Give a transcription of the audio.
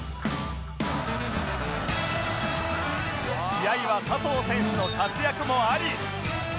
試合は佐藤選手の活躍もあり